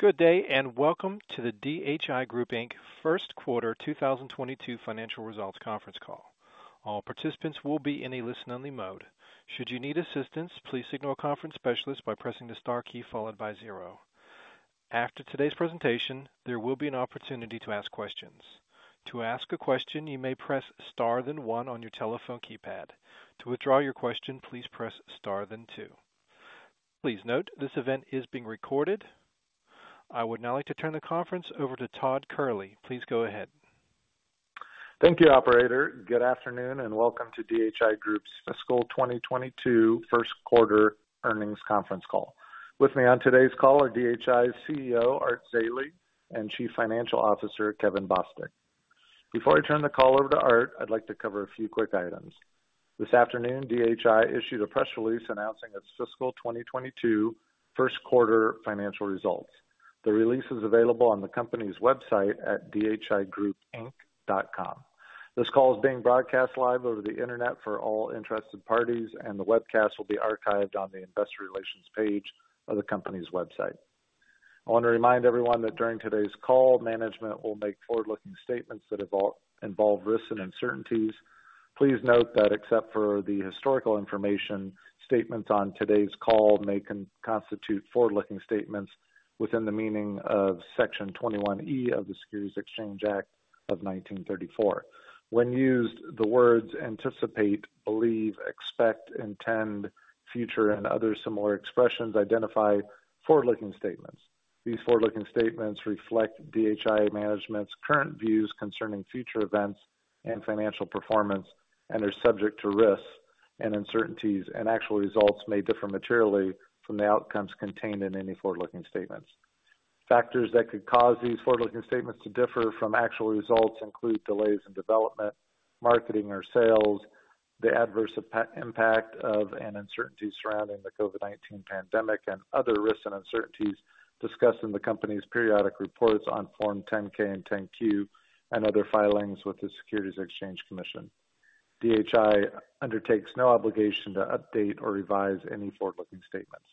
Good day, and welcome to the DHI Group, Inc. First Quarter 2022 Financial Results Conference Call. All participants will be in a listen-only mode. Should you need assistance, please signal a conference specialist by pressing the star key followed by zero. After today's presentation, there will be an opportunity to ask questions. To ask a question, you may press star then one on your telephone keypad. To withdraw your question, please press star then two. Please note, this event is being recorded. I would now like to turn the conference over to Todd Kehrli. Please go ahead. Thank you, operator. Good afternoon, and welcome to DHI Group's fiscal 2022 first quarter earnings conference call. With me on today's call are DHI's CEO, Art Zeile, and Chief Financial Officer, Kevin Bostick. Before I turn the call over to Art, I'd like to cover a few quick items. This afternoon, DHI issued a press release announcing its fiscal 2022 first quarter financial results. The release is available on the company's website at dhigroupinc.com. This call is being broadcast live over the Internet for all interested parties, and the webcast will be archived on the investor relations page of the company's website. I want to remind everyone that during today's call, management will make forward-looking statements that involve risks and uncertainties. Please note that except for the historical information, statements on today's call may constitute forward-looking statements within the meaning of Section 21E of the Securities Exchange Act of 1934. When used, the words anticipate, believe, expect, intend, future, and other similar expressions identify forward-looking statements. These forward-looking statements reflect DHI management's current views concerning future events and financial performance and are subject to risks and uncertainties, and actual results may differ materially from the outcomes contained in any forward-looking statements. Factors that could cause these forward-looking statements to differ from actual results include delays in development, marketing, or sales, the adverse impact of and uncertainty surrounding the COVID-19 pandemic, and other risks and uncertainties discussed in the company's periodic reports on Form 10-K and 10-Q and other filings with the Securities and Exchange Commission. DHI undertakes no obligation to update or revise any forward-looking statements.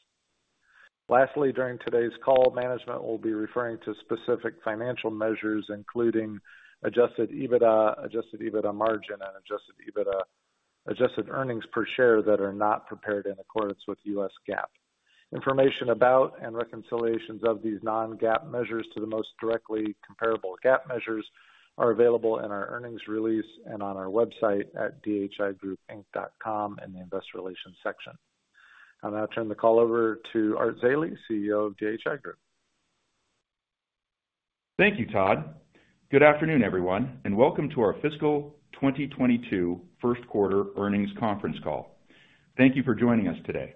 Lastly, during today's call, management will be referring to specific financial measures, including adjusted EBITDA, adjusted EBITDA margin, and adjusted EBITDA adjusted earnings per share that are not prepared in accordance with U.S. GAAP. Information about and reconciliations of these non-GAAP measures to the most directly comparable GAAP measures are available in our earnings release and on our website at dhigroupinc.com in the investor relations section. I'll now turn the call over to Art Zeile, CEO of DHI Group. Thank you, Todd. Good afternoon, everyone, and welcome to our Fiscal 2022 First Quarter Earnings Conference Call. Thank you for joining us today.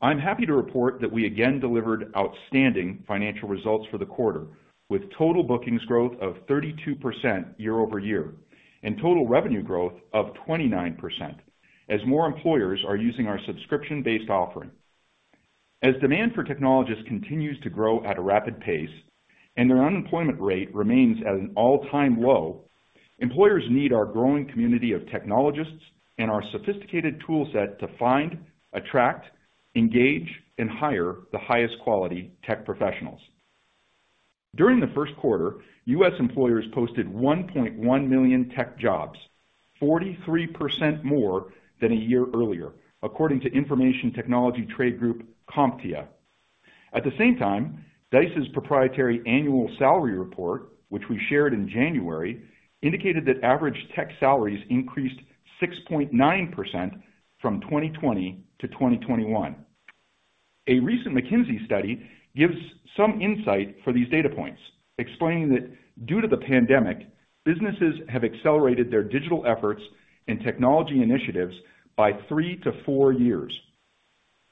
I'm happy to report that we again delivered outstanding financial results for the quarter, with total bookings growth of 32% year-over-year and total revenue growth of 29% as more employers are using our subscription-based offering. As demand for technologists continues to grow at a rapid pace and their unemployment rate remains at an all-time low, employers need our growing community of technologists and our sophisticated tool set to find, attract, engage, and hire the highest quality tech professionals. During the first quarter, U.S. employers posted 1.1 million tech jobs, 43% more than a year earlier, according to information technology trade group CompTIA. At the same time, Dice's proprietary annual salary report, which we shared in January, indicated that average tech salaries increased 6.9% from 2020-2021. A recent McKinsey study gives some insight for these data points, explaining that due to the pandemic, businesses have accelerated their digital efforts and technology initiatives by three to four years.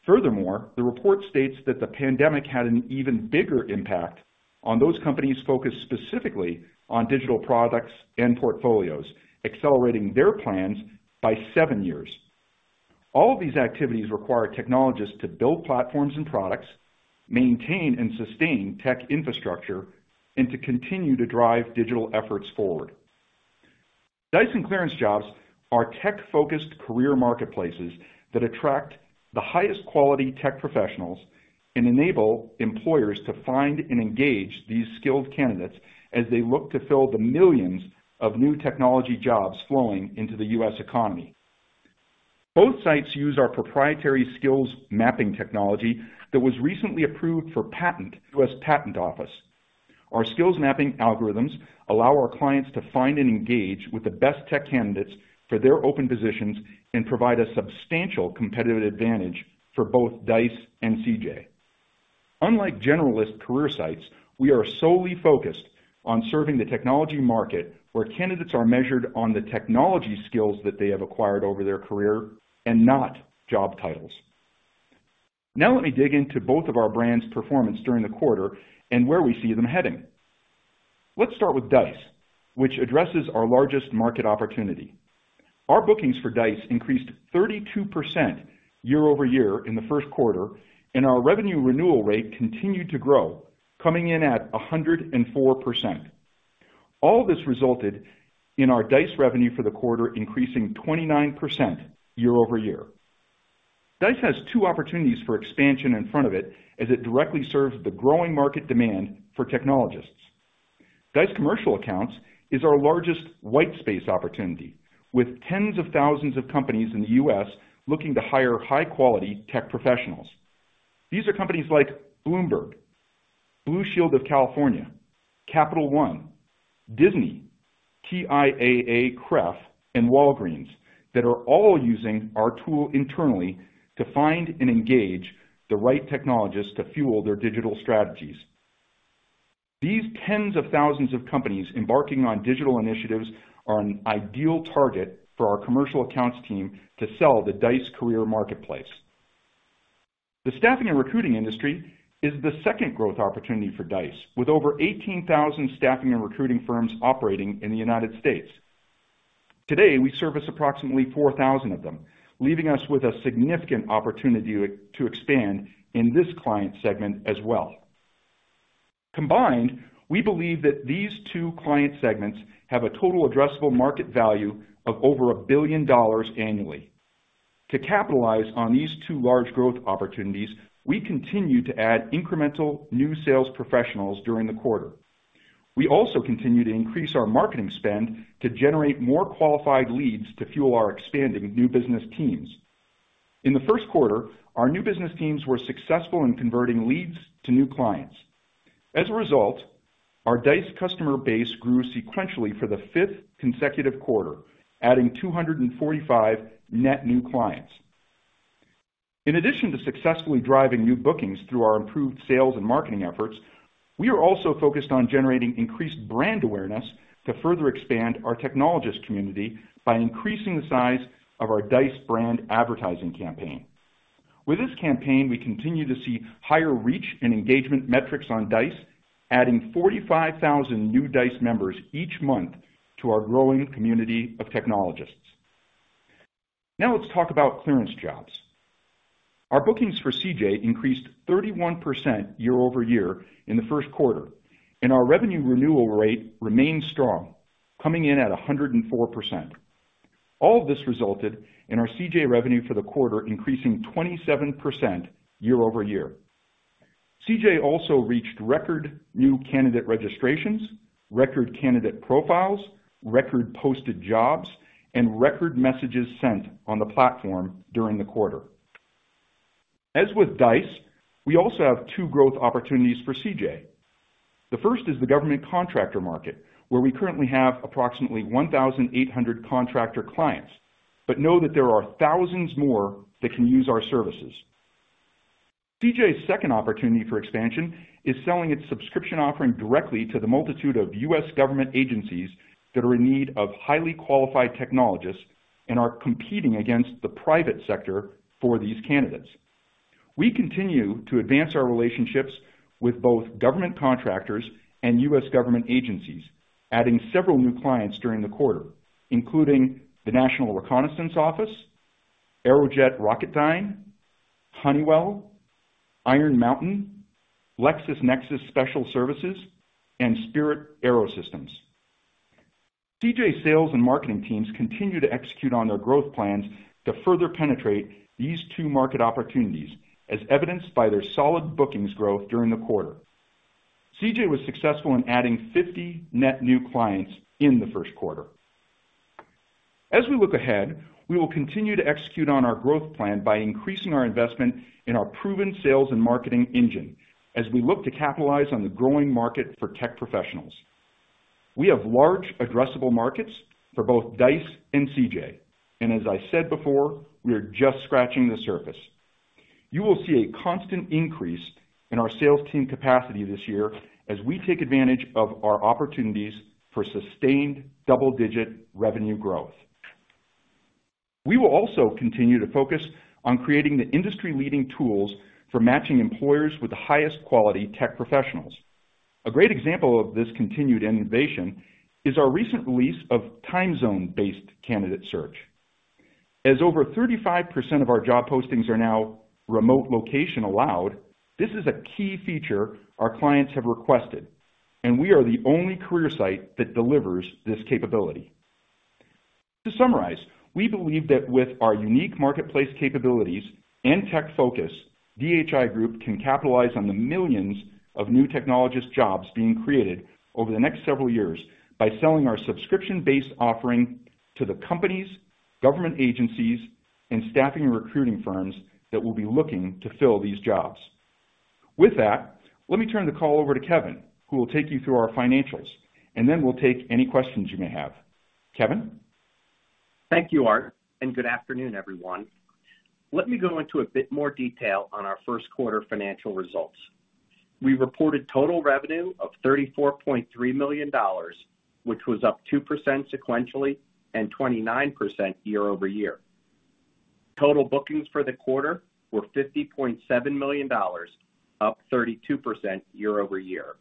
Furthermore, the report states that the pandemic had an even bigger impact on those companies focused specifically on digital products and portfolios, accelerating their plans by seven years. All of these activities require technologists to build platforms and products, maintain and sustain tech infrastructure, and to continue to drive digital efforts forward. Dice and ClearanceJobs are tech-focused career marketplaces that attract the highest quality tech professionals and enable employers to find and engage these skilled candidates as they look to fill the millions of new technology jobs flowing into the U.S. economy. Both sites use our proprietary skills mapping technology that was recently approved for patent, U.S. Patent Office. Our skills mapping algorithms allow our clients to find and engage with the best tech candidates for their open positions and provide a substantial competitive advantage for both Dice and CJ. Unlike generalist career sites, we are solely focused on serving the technology market, where candidates are measured on the technology skills that they have acquired over their career and not job titles. Now let me dig into both of our brands' performance during the quarter and where we see them heading. Let's start with Dice, which addresses our largest market opportunity. Our bookings for Dice increased 32% year-over-year in the first quarter, and our revenue renewal rate continued to grow, coming in at 104%. All this resulted in our Dice revenue for the quarter increasing 29% year-over-year. Dice has two opportunities for expansion in front of it as it directly serves the growing market demand for technologists. Dice commercial accounts is our largest white space opportunity, with tens of thousands of companies in the U.S. looking to hire high-quality tech professionals. These are companies like Bloomberg, Blue Shield of California, Capital One, Disney, TIAA-CREF, and Walgreens that are all using our tool internally to find and engage the right technologists to fuel their digital strategies. These tens of thousands of companies embarking on digital initiatives are an ideal target for our commercial accounts team to sell the Dice Career Marketplace. The staffing and recruiting industry is the second growth opportunity for Dice, with over 18,000 staffing and recruiting firms operating in the United States. Today, we service approximately 4,000 of them, leaving us with a significant opportunity to expand in this client segment as well. Combined, we believe that these two client segments have a total addressable market value of over $1 billion annually. To capitalize on these two large growth opportunities, we continue to add incremental new sales professionals during the quarter. We also continue to increase our marketing spend to generate more qualified leads to fuel our expanding new business teams. In the first quarter, our new business teams were successful in converting leads to new clients. As a result, our Dice customer base grew sequentially for the fifth consecutive quarter, adding 245 net new clients. In addition to successfully driving new bookings through our improved sales and marketing efforts, we are also focused on generating increased brand awareness to further expand our technologist community by increasing the size of our Dice brand advertising campaign. With this campaign, we continue to see higher reach and engagement metrics on Dice, adding 45,000 new Dice members each month to our growing community of technologists. Now let's talk about ClearanceJobs. Our bookings for CJ increased 31% year-over-year in the first quarter, and our revenue renewal rate remained strong, coming in at 104%. All of this resulted in our CJ revenue for the quarter increasing 27% year-over-year. CJ also reached record new candidate registrations, record candidate profiles, record posted jobs, and record messages sent on the platform during the quarter. As with Dice, we also have two growth opportunities for CJ. The first is the government contractor market, where we currently have approximately 1,800 contractor clients, but know that there are thousands more that can use our services. CJ's second opportunity for expansion is selling its subscription offering directly to the multitude of U.S. government agencies that are in need of highly qualified technologists and are competing against the private sector for these candidates. We continue to advance our relationships with both government contractors and U.S. government agencies, adding several new clients during the quarter, including the National Reconnaissance Office, Aerojet Rocketdyne, Honeywell, Iron Mountain, LexisNexis Special Services, and Spirit AeroSystems. CJ sales and marketing teams continue to execute on their growth plans to further penetrate these two market opportunities, as evidenced by their solid bookings growth during the quarter. CJ was successful in adding 50 net new clients in the first quarter. As we look ahead, we will continue to execute on our growth plan by increasing our investment in our proven sales and marketing engine as we look to capitalize on the growing market for tech professionals. We have large addressable markets for both Dice and CJ, and as I said before, we are just scratching the surface. You will see a constant increase in our sales team capacity this year as we take advantage of our opportunities for sustained double-digit revenue growth. We will also continue to focus on creating the industry-leading tools for matching employers with the highest quality tech professionals. A great example of this continued innovation is our recent release of time zone-based candidate search. As over 35% of our job postings are now remote location allowed, this is a key feature our clients have requested, and we are the only career site that delivers this capability. To summarize, we believe that with our unique marketplace capabilities and tech focus, DHI Group can capitalize on the millions of new technologist jobs being created over the next several years by selling our subscription-based offering to the companies, government agencies, and staffing and recruiting firms that will be looking to fill these jobs. With that, let me turn the call over to Kevin, who will take you through our financials, and then we'll take any questions you may have. Kevin? Thank you, Art, and good afternoon, everyone. Let me go into a bit more detail on our first quarter financial results. We reported total revenue of $34.3 million, which was up 2% sequentially and 29% year-over-year. Total bookings for the quarter were $50.7 million, up 32% year-over-year.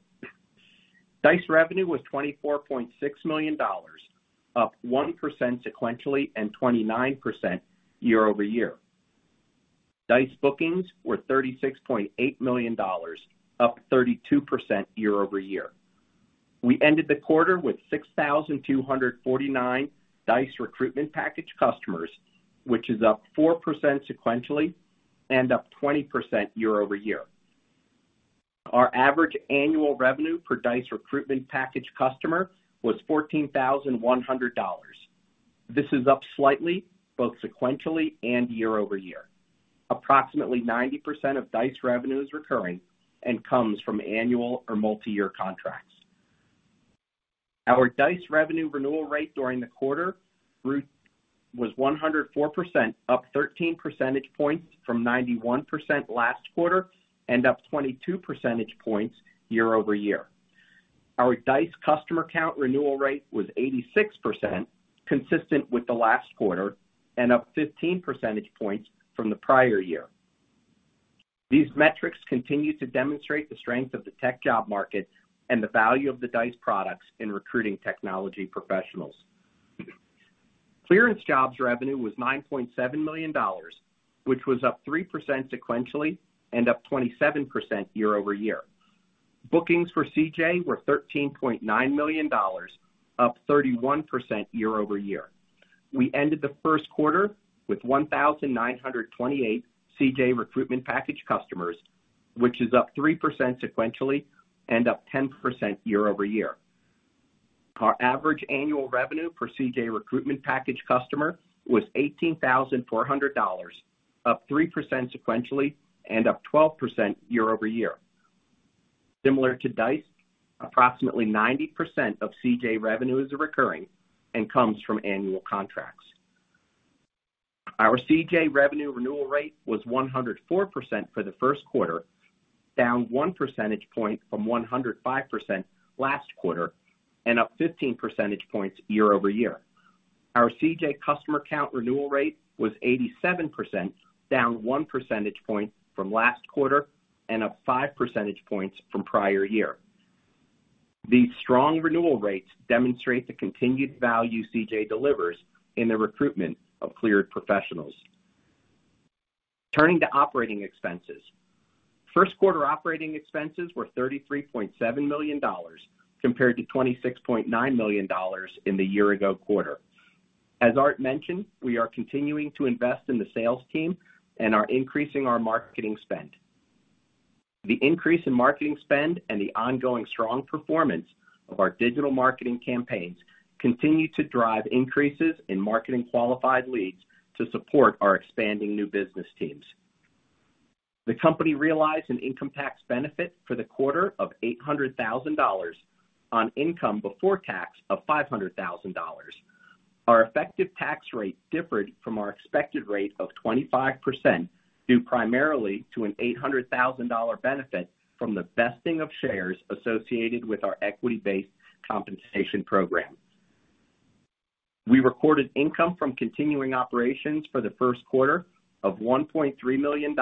Dice revenue was $24.6 million, up 1% sequentially and 29% year-over-year. Dice bookings were $36.8 million, up 32% year-over-year. We ended the quarter with 6,249 Dice recruitment package customers, which is up 4% sequentially and up 20% year-over-year. Our average annual revenue per Dice recruitment package customer was $14,100. This is up slightly, both sequentially and year-over-year. Approximately 90% of Dice revenue is recurring and comes from annual or multiyear contracts. Our Dice revenue renewal rate during the quarter was 104%, up 13 percentage points from 91% last quarter and up 22 percentage points year-over-year. Our Dice customer count renewal rate was 86%, consistent with the last quarter and up 15 percentage points from the prior year. These metrics continue to demonstrate the strength of the tech job market and the value of the Dice products in recruiting technology professionals. ClearanceJobs revenue was $9.7 million, which was up 3% sequentially and up 27% year-over-year. Bookings for CJ were $13.9 million, up 31% year-over-year. We ended the first quarter with 1,928 CJ recruitment package customers, which is up 3% sequentially and up 10% year-over-year. Our average annual revenue per CJ recruitment package customer was $18,400, up 3% sequentially and up 12% year-over-year. Similar to Dice, approximately 90% of CJ revenue is recurring and comes from annual contracts. Our CJ revenue renewal rate was 104% for the first quarter, down one percentage point from 105% last quarter and up 15 percentage points year-over-year. Our CJ customer count renewal rate was 87%, down one percentage point from last quarter and up five percentage points from prior year. These strong renewal rates demonstrate the continued value CJ delivers in the recruitment of cleared professionals. Turning to operating expenses. First quarter operating expenses were $33.7 million compared to $26.9 million in the year ago quarter. As Art mentioned, we are continuing to invest in the sales team and are increasing our marketing spend. The increase in marketing spend and the ongoing strong performance of our digital marketing campaigns continue to drive increases in marketing qualified leads to support our expanding new business teams. The company realized an income tax benefit for the quarter of $800 thousand on income before tax of $500 thousand. Our effective tax rate differed from our expected rate of 25%, due primarily to an $800 thousand dollar benefit from the vesting of shares associated with our equity-based compensation program. We recorded income from continuing operations for the first quarter of $1.3 million,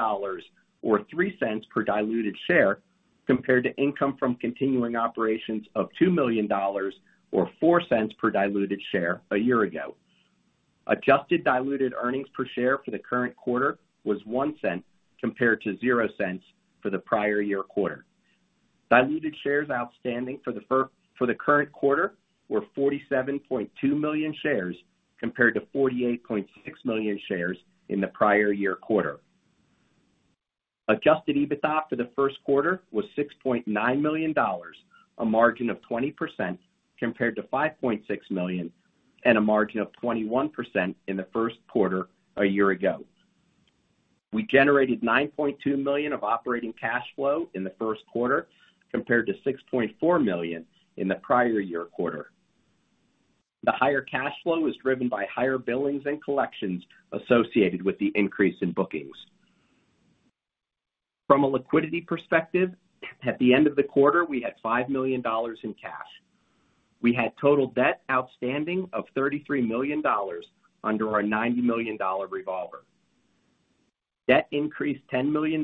or $0.03 per diluted share, compared to income from continuing operations of $2 million, or $0.04 per diluted share a year ago. Adjusted diluted earnings per share for the current quarter was $0.01 compared to 0 cents for the prior year quarter. Diluted shares outstanding for the current quarter were 47.2 million shares compared to 48.6 million shares in the prior year quarter. Adjusted EBITDA for the first quarter was $6.9 million, a margin of 20% compared to $5.6 million and a margin of 21% in the first quarter a year ago. We generated $9.2 million of operating cash flow in the first quarter compared to $6.4 million in the prior year quarter. The higher cash flow was driven by higher billings and collections associated with the increase in bookings. From a liquidity perspective, at the end of the quarter, we had $5 million in cash. We had total debt outstanding of $33 million under our $90 million revolver. Debt increased $10 million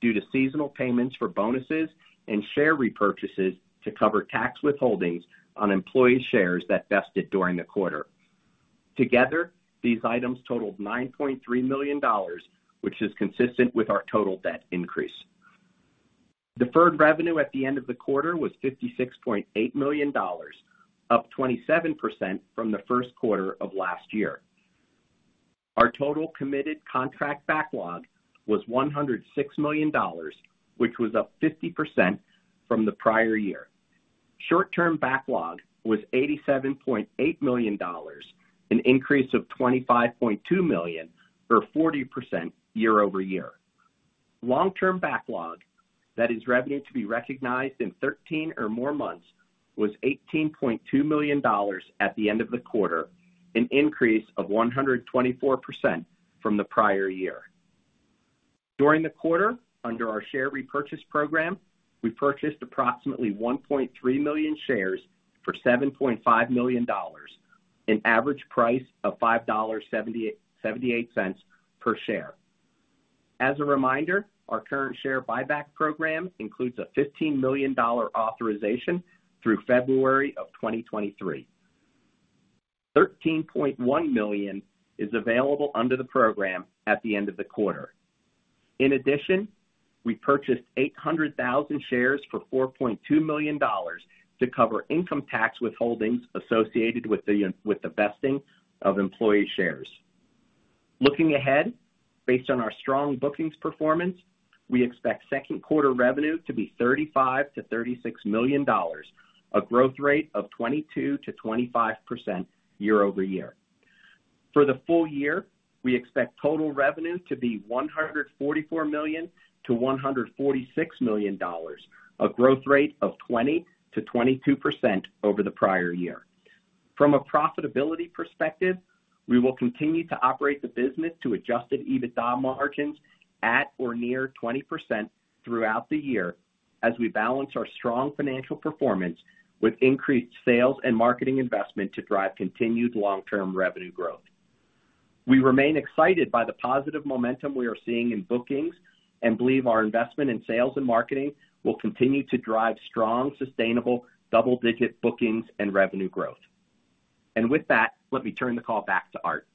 due to seasonal payments for bonuses and share repurchases to cover tax withholdings on employee shares that vested during the quarter. Together, these items totaled $9.3 million, which is consistent with our total debt increase. Deferred revenue at the end of the quarter was $56.8 million, up 27% from the first quarter of last year. Our total committed contract backlog was $106 million, which was up 50% from the prior year. Short-term backlog was $87.8 million, an increase of $25.2 million, or 40% year-over-year. Long-term backlog, that is revenue to be recognized in thirteen or more months, was $18.2 million at the end of the quarter, an increase of 124% from the prior year. During the quarter, under our share repurchase program, we purchased approximately 1.3 million shares for $7.5 million, an average price of $5.78 per share. As a reminder, our current share buyback program includes a $15 million authorization through February 2023. $13.1 million is available under the program at the end of the quarter. In addition, we purchased 800,000 shares for $4.2 million to cover income tax withholdings associated with the vesting of employee shares. Looking ahead, based on our strong bookings performance, we expect second quarter revenue to be $35 million-$36 million, a growth rate of 22%-25% year-over-year. For the full year, we expect total revenue to be $144 million-$146 million, a growth rate of 20%-22% over the prior year. From a profitability perspective, we will continue to operate the business to adjusted EBITDA margins at or near 20% throughout the year as we balance our strong financial performance with increased sales and marketing investment to drive continued long-term revenue growth. We remain excited by the positive momentum we are seeing in bookings and believe our investment in sales and marketing will continue to drive strong, sustainable double-digit bookings and revenue growth. With that, let me turn the call back to Art.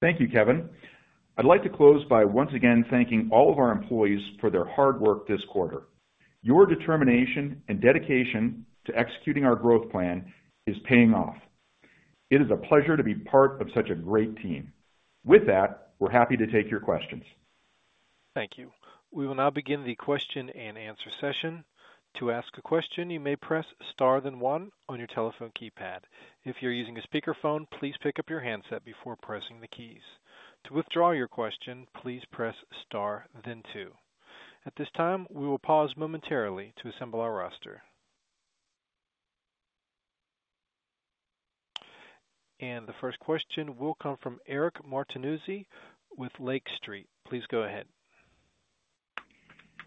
Thank you, Kevin. I'd like to close by once again thanking all of our employees for their hard work this quarter. Your determination and dedication to executing our growth plan is paying off. It is a pleasure to be part of such a great team. With that, we're happy to take your questions. Thank you. We will now begin the question-and-answer session. To ask a question, you may press star then one on your telephone keypad. If you're using a speakerphone, please pick up your handset before pressing the keys. To withdraw your question, please press Star then two. At this time, we will pause momentarily to assemble our roster. The first question will come from Eric Martinuzzi with Lake Street. Please go ahead.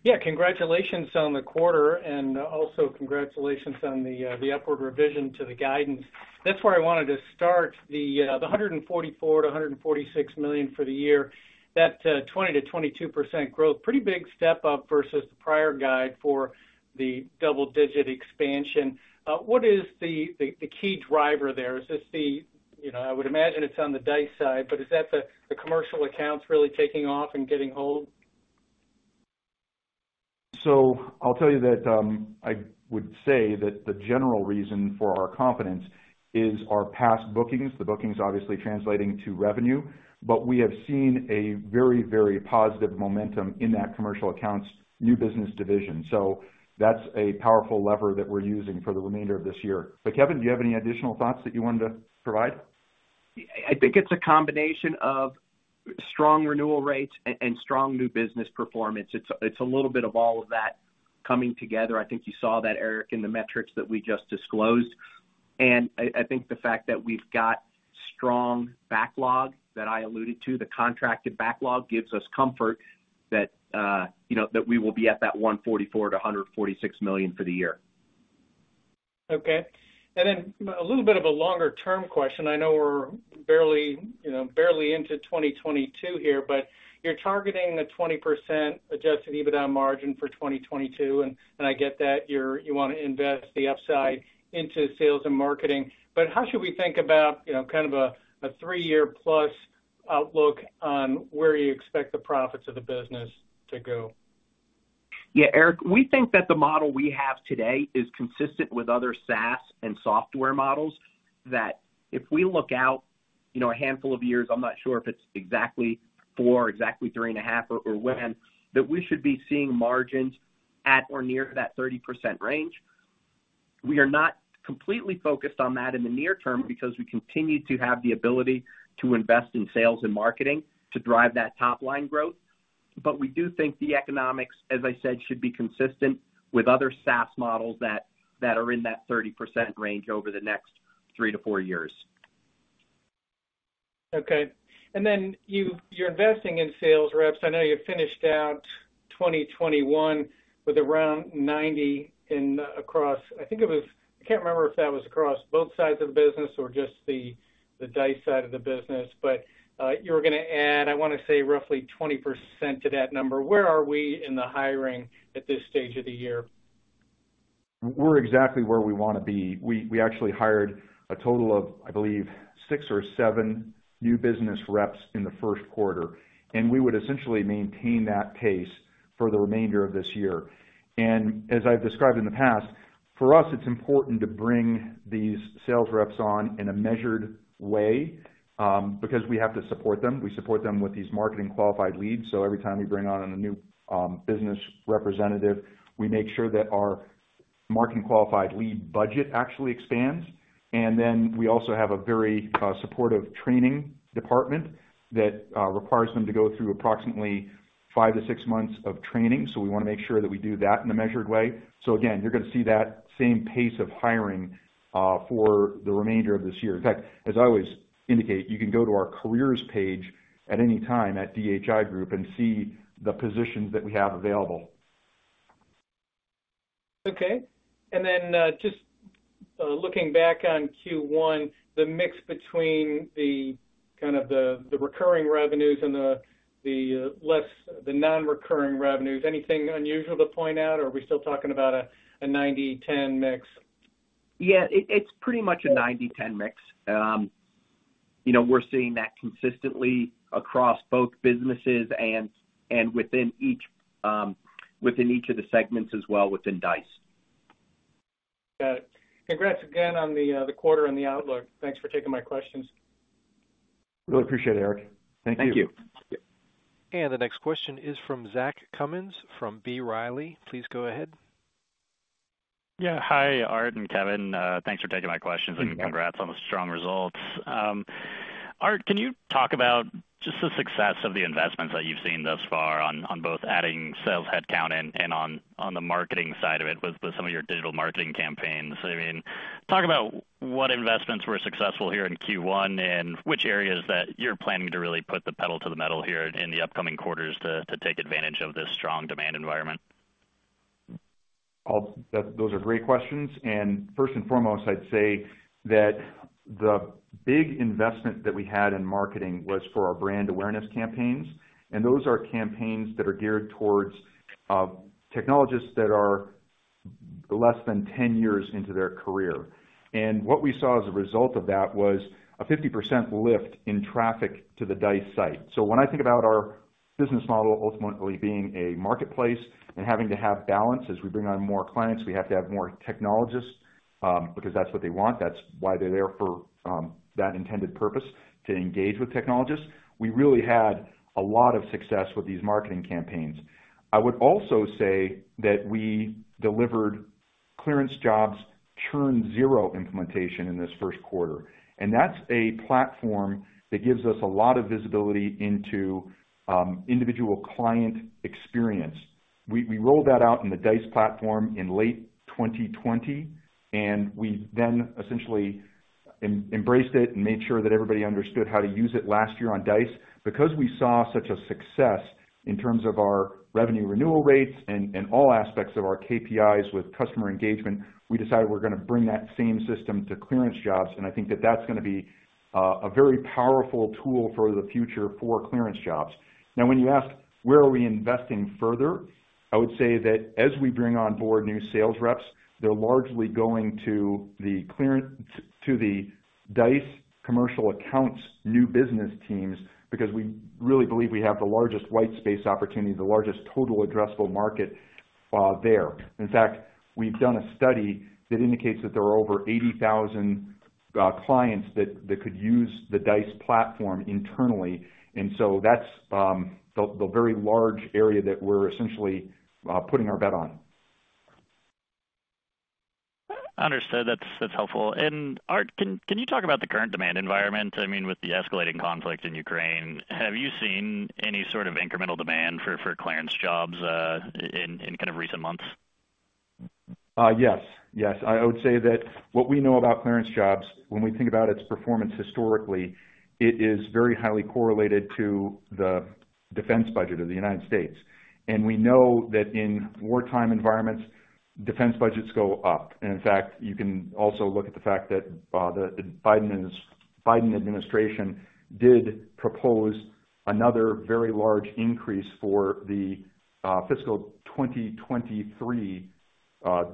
Yeah, congratulations on the quarter and also congratulations on the upward revision to the guidance. That's where I wanted to start. The $144 million-$146 million for the year, that 20%-22% growth, pretty big step up vs the prior guide for the double-digit expansion. What is the key driver there? Is this? You know, I would imagine it's on the Dice side, but is that the commercial accounts really taking off and getting hold? I'll tell you that I would say that the general reason for our confidence is our past bookings, the bookings obviously translating to revenue. We have seen a very, very positive momentum in that commercial accounts new business division. That's a powerful lever that we're using for the remainder of this year. Kevin, do you have any additional thoughts that you wanted to provide? I think it's a combination of strong renewal rates and strong new business performance. It's a little bit of all of that coming together. I think you saw that, Eric, in the metrics that we just disclosed. I think the fact that we've got strong backlog that I alluded to, the contracted backlog gives us comfort that, you know, that we will be at that $144 million-$146 million for the year. Okay. A little bit of a longer-term question. I know we're barely, you know, into 2022 here, but you're targeting a 20% adjusted EBITDA margin for 2022, and I get that you wanna invest the upside into sales and marketing. How should we think about, you know, kind of a three-year plus outlook on where you expect the profits of the business to go? Yeah, Eric, we think that the model we have today is consistent with other SaaS and software models, that if we look out, you know, a handful of years, I'm not sure if it's exactly four, exactly 3.5 or when, that we should be seeing margins at or near that 30% range. We are not completely focused on that in the near term because we continue to have the ability to invest in sales and marketing to drive that top-line growth. We do think the economics, as I said, should be consistent with other SaaS models that are in that 30% range over the next three to four years. Okay. You're investing in sales reps. I know you finished out 2021 with around 90 in across. I think it was. I can't remember if that was across both sides of the business or just the Dice side of the business. But you were gonna add, I wanna say, roughly 20% to that number. Where are we in the hiring at this stage of the year? We're exactly where we wanna be. We actually hired a total of, I believe, six or seven new business reps in the first quarter, and we would essentially maintain that pace for the remainder of this year. As I've described in the past, for us, it's important to bring these sales reps on in a measured way, because we have to support them. We support them with these marketing qualified leads. Every time we bring on a new business representative, we make sure that our marketing qualified lead budget actually expands. We also have a very supportive training department that requires them to go through approximately five to six months of training. We wanna make sure that we do that in a measured way. Again, you're gonna see that same pace of hiring for the remainder of this year. In fact, as I always indicate, you can go to our Careers page at any time at DHI Group and see the positions that we have available. Okay. Just looking back on Q1, the mix between the- Kind of the recurring revenues and the non-recurring revenues. Anything unusual to point out or are we still talking about a 90-10 mix? It's pretty much a 90-10 mix. You know, we're seeing that consistently across both businesses and within each of the segments as well within Dice. Got it. Congrats again on the quarter and the outlook. Thanks for taking my questions. Really appreciate it, Eric. Thank you. Thank you. The next question is from Zach Cummins from B. Riley. Please go ahead. Yeah. Hi, Art and Kevin. Thanks for taking my questions. Mm-hmm. Congrats on the strong results. Art, can you talk about just the success of the investments that you've seen thus far on both adding sales headcount and on the marketing side of it with some of your digital marketing campaigns? I mean, talk about what investments were successful here in Q1 and which areas that you're planning to really put the pedal to the metal here in the upcoming quarters to take advantage of this strong demand environment. Those are great questions. First and foremost, I'd say that the big investment that we had in marketing was for our brand awareness campaigns, and those are campaigns that are geared towards technologists that are less than 10 years into their career. What we saw as a result of that was a 50% lift in traffic to the Dice site. When I think about our business model ultimately being a marketplace and having to have balance, as we bring on more clients, we have to have more technologists because that's what they want. That's why they're there for that intended purpose, to engage with technologists. We really had a lot of success with these marketing campaigns. I would also say that we delivered ClearanceJobs ChurnZero implementation in this first quarter, and that's a platform that gives us a lot of visibility into individual client experience. We rolled that out in the Dice platform in late 2020, and we then essentially embraced it and made sure that everybody understood how to use it last year on Dice. Because we saw such a success in terms of our revenue renewal rates and all aspects of our KPIs with customer engagement, we decided we're gonna bring that same system to ClearanceJobs, and I think that that's gonna be a very powerful tool for the future for ClearanceJobs. Now, when you ask, where are we investing further, I would say that as we bring on board new sales reps, they're largely going to the ClearanceJobs to the Dice commercial accounts new business teams, because we really believe we have the largest white space opportunity, the largest total addressable market, there. In fact, we've done a study that indicates that there are over 80,000 clients that could use the Dice platform internally. That's the very large area that we're essentially putting our bet on. Understood. That's helpful. Art, can you talk about the current demand environment? I mean, with the escalating conflict in Ukraine, have you seen any sort of incremental demand for ClearanceJobs in kind of recent months? Yes. I would say that what we know about ClearanceJobs when we think about its performance historically, it is very highly correlated to the defense budget of the United States. We know that in wartime environments, defense budgets go up. In fact, you can also look at the fact that the Biden administration did propose another very large increase for the fiscal 2023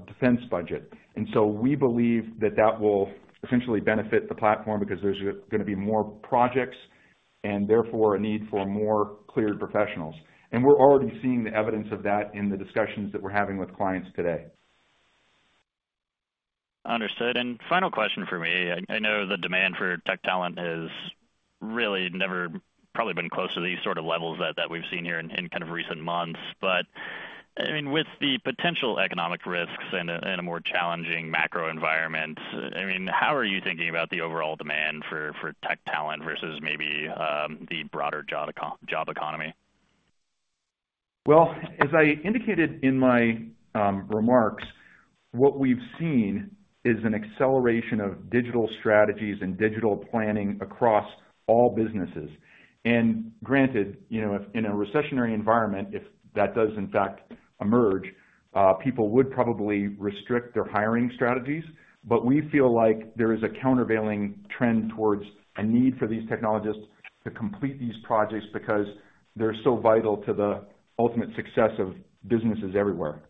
defense budget. We believe that that will essentially benefit the platform because there's gonna be more projects and therefore a need for more cleared professionals. We're already seeing the evidence of that in the discussions that we're having with clients today. Understood. Final question for me. I know the demand for tech talent has really never probably been close to these sort of levels that we've seen here in kind of recent months. I mean, with the potential economic risks and a more challenging macro environment, I mean, how are you thinking about the overall demand for tech talent vs maybe the broader job economy? Well, as I indicated in my remarks, what we've seen is an acceleration of digital strategies and digital planning across all businesses. Granted, you know, if in a recessionary environment, if that does in fact emerge, people would probably restrict their hiring strategies. We feel like there is a countervailing trend towards a need for these technologists to complete these projects because they're so vital to the ultimate success of businesses everywhere.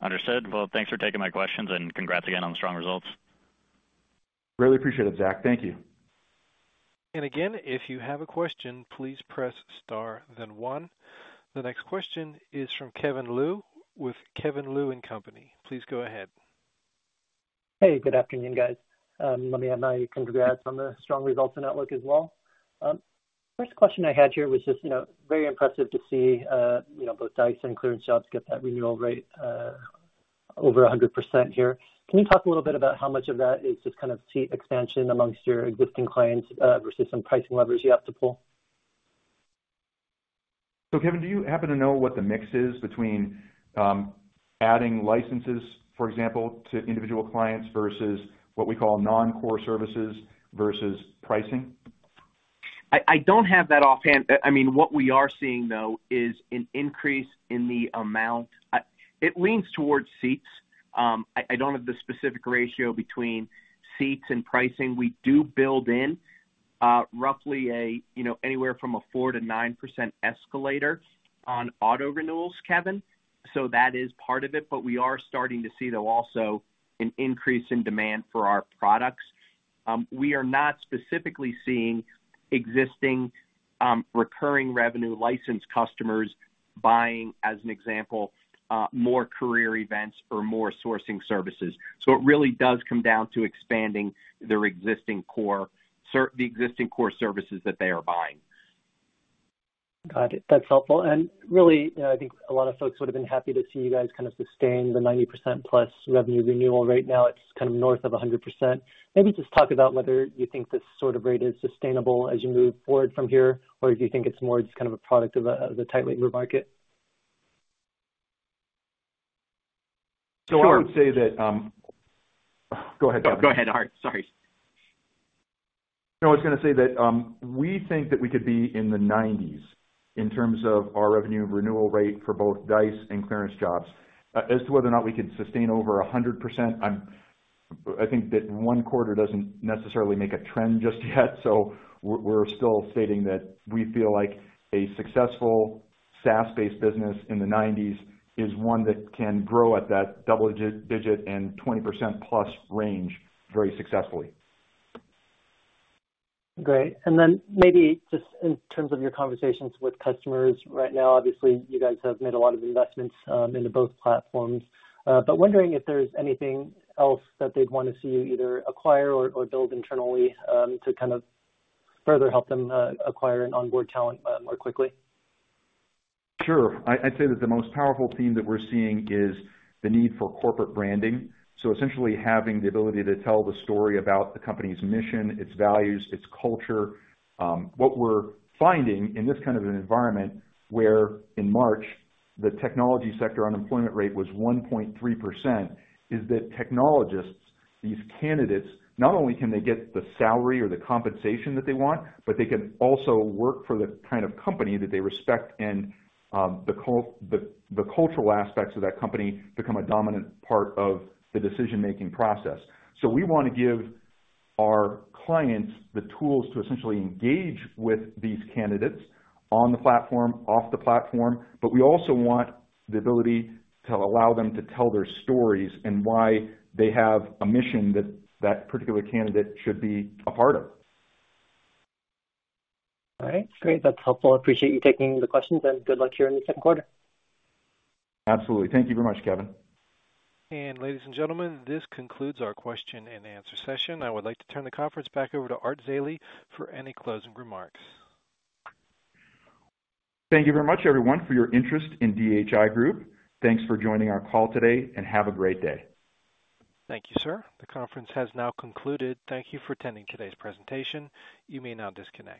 Understood. Well, thanks for taking my questions, and congrats again on the strong results. Really appreciate it, Zach. Thank you. Again, if you have a question, please press star then one. The next question is from Kevin Liu with K. Liu & Company. Please go ahead. Hey, good afternoon, guys. Let me add my congrats on the strong results and outlook as well. First question I had here was just, you know, very impressive to see, you know, both Dice and ClearanceJobs get that renewal rate over 100% here. Can you talk a little bit about how much of that is just kind of seat expansion amongst your existing clients vs some pricing levers you have to pull? Kevin, do you happen to know what the mix is between adding licenses, for example, to individual clients vs what we call non-core services vs pricing? I don't have that offhand. I mean, what we are seeing though is an increase in the amount. It leans towards seats. I don't have the specific ratio between seats and pricing. We do build in roughly a, you know, anywhere from a 4%-9% escalator on auto renewals, Kevin. That is part of it, but we are starting to see though also an increase in demand for our products. We are not specifically seeing existing recurring revenue license customers buying, as an example, more career events or more sourcing services. It really does come down to expanding their existing core services that they are buying. Got it. That's helpful. Really, I think a lot of folks would have been happy to see you guys kind of sustain the 90% plus revenue renewal rate. Now it's kind of north of 100%. Maybe just talk about whether you think this sort of rate is sustainable as you move forward from here, or if you think it's more just kind of a product of the tight labor market. I would say that. Go ahead, Kevin. Go ahead, Art. Sorry. No, I was gonna say that we think that we could be in the 90s in terms of our revenue renewal rate for both Dice and ClearanceJobs. As to whether or not we could sustain over 100%, I think that one quarter doesn't necessarily make a trend just yet. We're still stating that we feel like a successful SaaS-based business in the 90s is one that can grow at that double-digit and 20%+ range very successfully. Great. Then maybe just in terms of your conversations with customers right now, obviously, you guys have made a lot of investments into both platforms. Wondering if there's anything else that they'd wanna see you either acquire or build internally to kind of further help them acquire and onboard talent more quickly? Sure. I'd say that the most powerful theme that we're seeing is the need for corporate branding, so essentially having the ability to tell the story about the company's mission, its values, its culture. What we're finding in this kind of an environment, where in March, the technology sector unemployment rate was 1.3%, is that technologists, these candidates, not only can they get the salary or the compensation that they want, but they can also work for the kind of company that they respect and, the cultural aspects of that company become a dominant part of the decision-making process. We wanna give our clients the tools to essentially engage with these candidates on the platform, off the platform, but we also want the ability to allow them to tell their stories and why they have a mission that particular candidate should be a part of. All right. Great. That's helpful. Appreciate you taking the questions, and good luck here in the second quarter. Absolutely. Thank you very much, Kevin. Ladies and gentlemen, this concludes our question and answer session. I would like to turn the conference back over to Art Zeile for any closing remarks. Thank you very much everyone for your interest in DHI Group. Thanks for joining our call today, and have a great day. Thank you, sir. The conference has now concluded. Thank you for attending today's presentation. You may now disconnect.